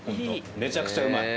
めちゃくちゃうまい。